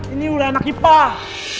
ini udah anak ipah